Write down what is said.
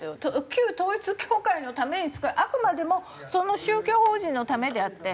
旧統一教会のために使うあくまでもその宗教法人のためであって。